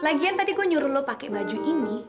lagian tadi gue nyuruh lo pakai baju ini